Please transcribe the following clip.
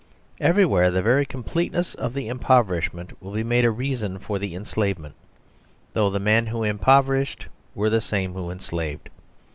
Everywhere the very completeness of the impoverishment will be made a reason for the enslavement; though the men who impoverished were the same who enslaved.